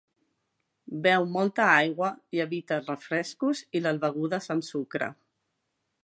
Beu molta aigua i evita els refrescos i les begudes amb sucre.